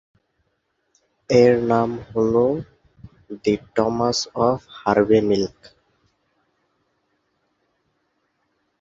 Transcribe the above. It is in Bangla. এর নাম হলো "the times of Harvey milk."